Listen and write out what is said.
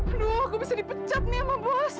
aduh aku bisa dipecat nih sama bos